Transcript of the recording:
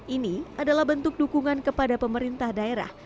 ini adalah bentuk dukungan kepada pemerintah daerah